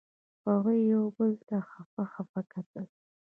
هغوی یو بل ته خپه خپه کتل.